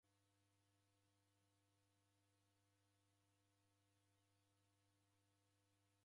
W'adaw'ana na Wai w'anonwa ni kumbaku na bangi.